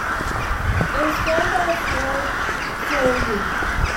It was formed by Floyd Soileau.